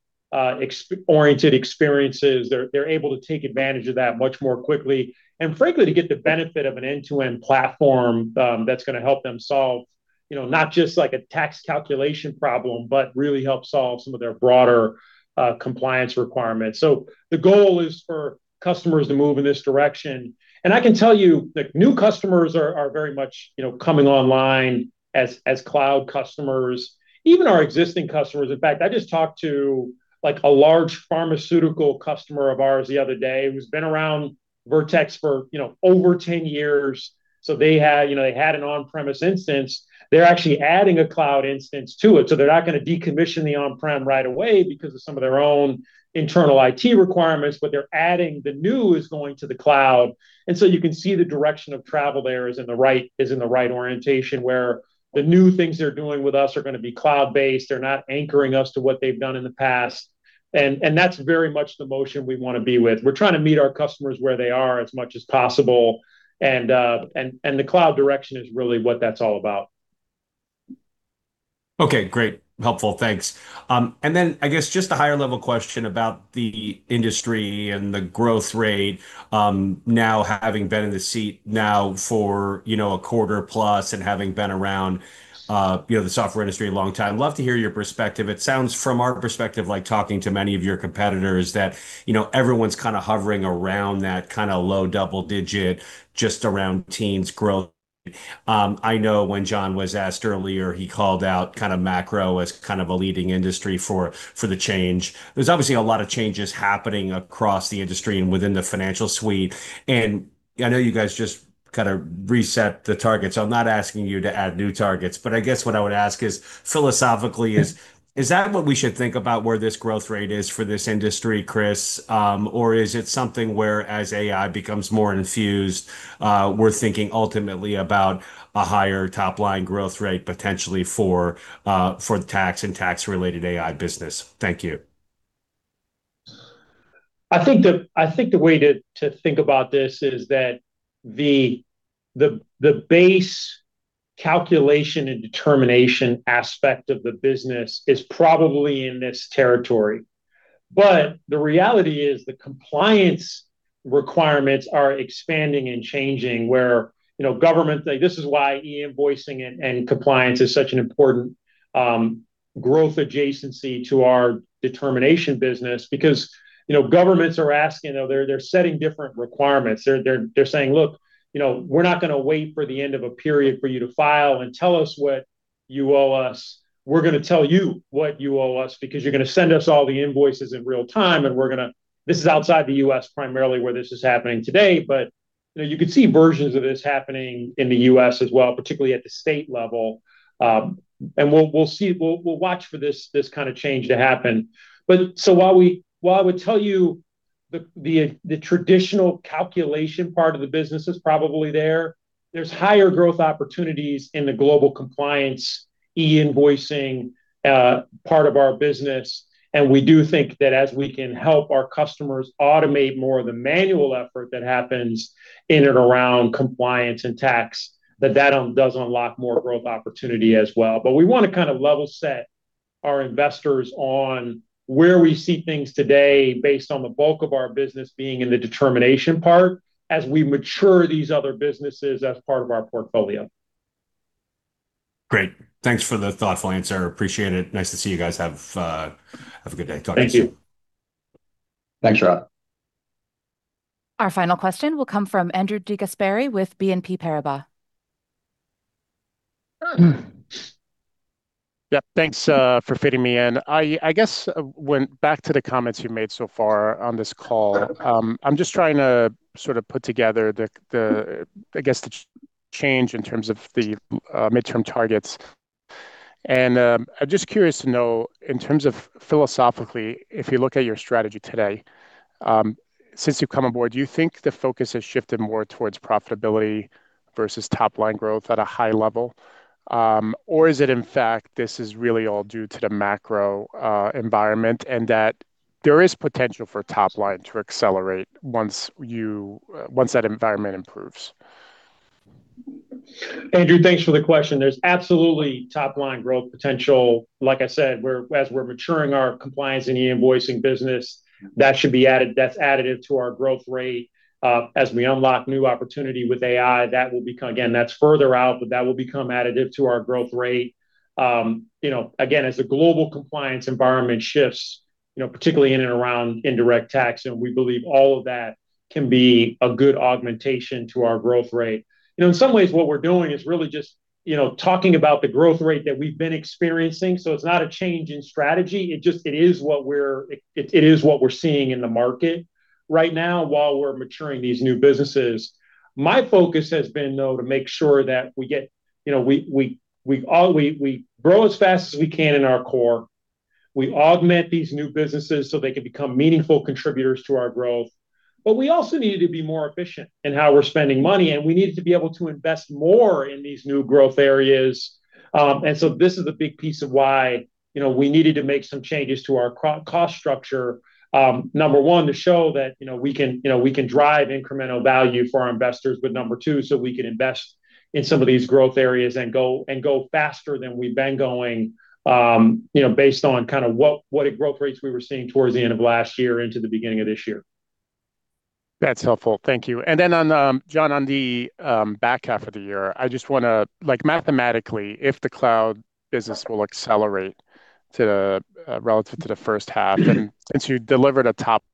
oriented experiences, they're able to take advantage of that much more quickly. Frankly, to get the benefit of an end-to-end platform, that's gonna help them. You know, not just like a tax calculation problem, but really help solve some of their broader compliance requirements. The goal is for customers to move in this direction. I can tell you, like, new customers are very much, you know, coming online as cloud customers. Even our existing customers. In fact, I just talked to, like, a large pharmaceutical customer of ours the other day who's been around Vertex for, you know, over 10 years. They had, you know, they had an on-premise instance. They're actually adding a cloud instance to it, so they're not gonna decommission the on-prem right away because of some of their own internal IT requirements. They're adding the new is going to the cloud. You can see the direction of travel there is in the right, is in the right orientation, where the new things they're doing with us are gonna be cloud-based. They're not anchoring us to what they've done in the past. That's very much the motion we wanna be with. We're trying to meet our customers where they are as much as possible and the cloud direction is really what that's all about. Okay, great. Helpful. Thanks. Then I guess just a higher level question about the industry and the growth rate, now having been in the seat now for, you know, a quarter plus and having been around, you know, the software industry a long time. Love to hear your perspective. It sounds from our perspective, like talking to many of your competitors, that, you know, everyone's kinda hovering around that kinda low double-digit, just around teens growth. I know when John was asked earlier, he called out kinda macro as kind of a leading industry for the change. There's obviously a lot of changes happening across the industry and within the financial suite. I know you guys just kinda reset the targets. I'm not asking you to add new targets, but I guess what I would ask is philosophically is that what we should think about where this growth rate is for this industry, Chris? Or is it something where as AI becomes more infused, we're thinking ultimately about a higher top line growth rate potentially for the tax and tax related AI business? Thank you. I think the way to think about this is that the base calculation and determination aspect of the business is probably in this territory. The reality is the compliance requirements are expanding and changing where, you know, government Like, this is why e-invoicing and compliance is such an important growth adjacency to our determination business because, you know, governments are asking, they're setting different requirements. They're saying, "Look, you know, we're not gonna wait for the end of a period for you to file and tell us what you owe us. We're gonna tell you what you owe us because you're gonna send us all the invoices in real time. This is outside the U.S. primarily where this is happening today, but, you know, you could see versions of this happening in the U.S. as well, particularly at the state level. We'll see, we'll watch for this kinda change to happen. While we, while I would tell you the traditional calculation part of the business is probably there's higher growth opportunities in the global compliance e-invoicing part of our business. We do think that as we can help our customers automate more of the manual effort that happens in and around compliance and tax, that that does unlock more growth opportunity as well. We wanna kind of level set our investors on where we see things today based on the bulk of our business being in the determination part as we mature these other businesses as part of our portfolio. Great. Thanks for the thoughtful answer. Appreciate it. Nice to see you guys have a good day talking to you. Thank you. Thanks, Rob. Our final question will come from Andrew DeGasperi with BNP Paribas. Yeah, thanks for fitting me in. I guess when back to the comments you made so far on this call, I'm just trying to sort of put together the I guess the change in terms of the midterm targets. I'm just curious to know in terms of philosophically, if you look at your strategy today, since you've come aboard, do you think the focus has shifted more towards profitability versus top line growth at a high level? Or is it in fact this is really all due to the macro environment, and that there is potential for top line to accelerate once you once that environment improves? Andrew, thanks for the question. There's absolutely top line growth potential. Like I said, as we're maturing our compliance and e-invoicing business, that should be added, that's additive to our growth rate. As we unlock new opportunity with AI, that will become Again, that's further out, but that will become additive to our growth rate. You know, again, as the global compliance environment shifts, you know, particularly in and around indirect tax. We believe all of that can be a good augmentation to our growth rate. You know, in some ways what we're doing is really just, you know, talking about the growth rate that we've been experiencing. It's not a change in strategy. It is what we're seeing in the market right now while we're maturing these new businesses. My focus has been though to make sure that we get, you know, we all grow as fast as we can in our core. We augment these new businesses so they can become meaningful contributors to our growth. We also needed to be more efficient in how we're spending money, and we needed to be able to invest more in these new growth areas. This is a big piece of why, you know, we needed to make some changes to our cost structure, number one, to show that, you know, we can drive incremental value for our investors. Number two, we can invest in some of these growth areas and go faster than we've been going, you know, based on kind of what a growth rates we were seeing towards the end of last year into the beginning of this year. That's helpful. Thank you. Then on, John, on the back half of the year, I just wanna, like mathematically, if the cloud business will accelerate relative to the first half. Since you delivered a top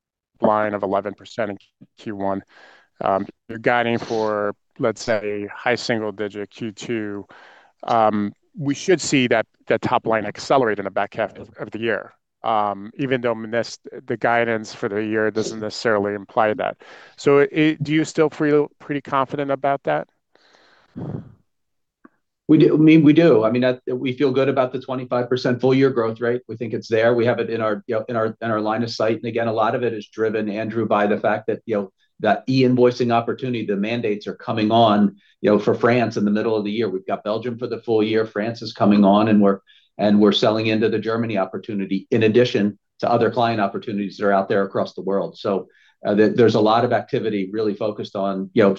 line of 11% in Q1, you're guiding for, let's say, high single-digit Q2, we should see that top line accelerate in the back half of the year, even though the guidance for the year doesn't necessarily imply that. Do you still feel pretty confident about that? We do. We feel good about the 25% full-year growth rate. We think it's there. We have it in our, you know, in our line of sight. Again, a lot of it is driven, Andrew, by the fact that, you know, that e-invoicing opportunity, the mandates are coming on, you know, for France in the middle of the year. We've got Belgium for the full year. France is coming on, and we're selling into the Germany opportunity in addition to other client opportunities that are out there across the world. There's a lot of activity really focused on, you know,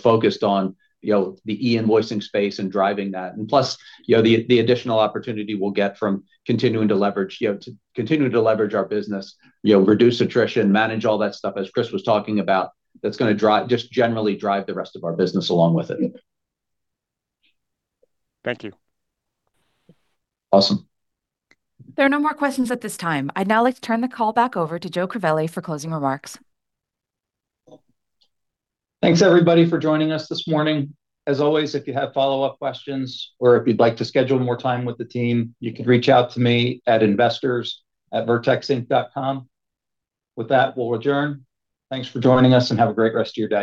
the e-invoicing space and driving that. Plus, you know, the additional opportunity we'll get from continuing to leverage, you know, to continue to leverage our business, you know, reduce attrition, manage all that stuff as Chris was talking about, that's gonna just generally drive the rest of our business along with it. Thank you. Awesome. There are no more questions at this time. I'd now like to turn the call back over to Joe Crivelli for closing remarks. Thanks everybody for joining us this morning. As always, if you have follow-up questions or if you'd like to schedule more time with the team, you can reach out to me at investors@vertexinc.com. With that, we'll adjourn. Thanks for joining us, and have a great rest of your day.